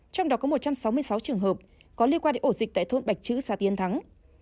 trong đó có một trăm sáu mươi sáu trường hợp có liên quan đến ổ dịch tại thôn bạch chữ xã tiên thắng